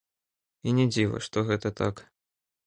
І не дзіва, што гэта так.